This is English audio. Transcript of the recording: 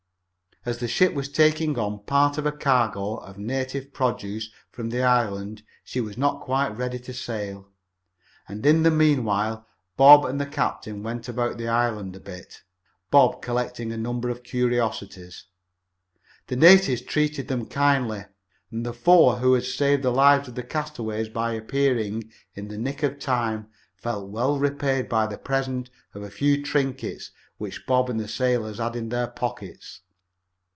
As the ship was taking on part of a cargo of native produce from the island she was not quite ready to sail, and in the meanwhile Bob and the captain went about the island a bit, Bob collecting a number of curiosities. The natives treated them kindly, and the four who had saved the lives of the castaways by appearing in the nick of time felt well repaid by the present of a few trinkets which Bob and the sailors had in their pockets.